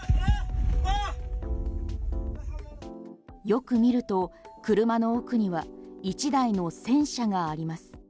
よく見ると車の奥には１台の戦車があります。